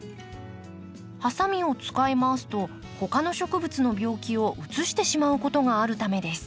ハサミを使い回すと他の植物の病気をうつしてしまうことがあるためです。